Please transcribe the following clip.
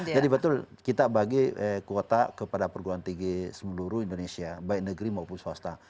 jadi betul kita bagi kuota kepada perguruan tinggi seluruh indonesia baik negeri maupun swasta